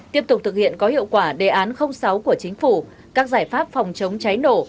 tiếp tục thực hiện có hiệu quả đề án sáu của chính phủ các giải pháp phòng chống cháy nổ